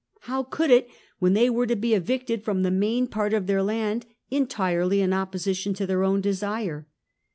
How could it, when they were to be evicted from the main part of their land entirely in opposition to their own desire?